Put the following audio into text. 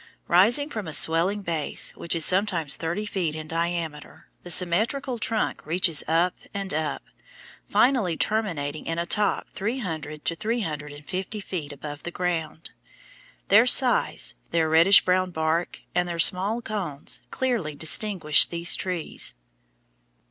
Rising from a swelling base, which is sometimes thirty feet in diameter, the symmetrical trunk reaches up and up, finally terminating in a top three hundred to three hundred and fifty feet above the ground. Their size, their reddish brown bark, and their small cones, clearly distinguish these trees.